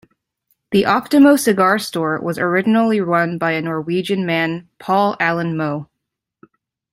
The Optimo Cigar store was originally run by a Norwegian man Paul Alan Moe.